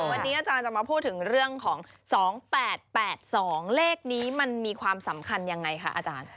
วันนี้อาจารย์จะมาพูดถึงเรื่องของ๒๘๘๒เลขนี้มันมีความสำคัญยังไงคะอาจารย์